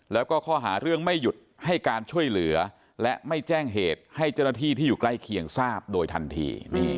แล้วก็ข้อหาเรื่องไม่หยุดให้การช่วยเหลือและไม่แจ้งเหตุให้เจ้าหน้าที่ที่อยู่ใกล้เคียงทราบโดยทันที